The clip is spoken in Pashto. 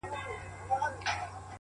• د څرمني بوی یې پزي ته په کار وو ,